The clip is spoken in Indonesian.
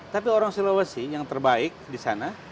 tapi orang sulawesi yang terbaik di sana